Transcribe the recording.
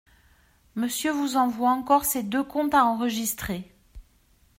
Monsieur vous envoie encore ces deux comptes à enregistrer.